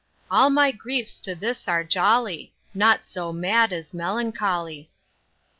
All my griefs to this are jolly, Naught so mad as melancholy.